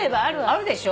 あるでしょ？